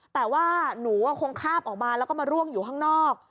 แต่ว่าหนูก็คงคาบออกมาแล้วก็มาร่วงอยู่ข้างนอก